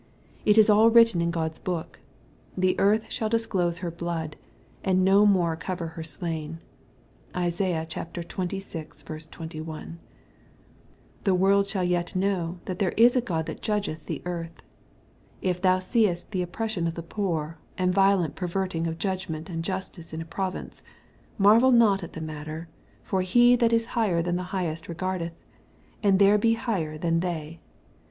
It is all written in God's book. " The earth shall disclose her blood, and no more cover her slain." (Isaiah xxvi. 21.) The world shall yet know, that there is a God that judgeth the earth. " If thou seest the oppression of the poor, and violent perverting of judgment and justice in a province, marvel not at the matter, for he that is higher than the highest regardeth : and there be higher than they."